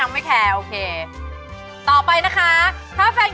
ไม่แคร์ไม่แคร์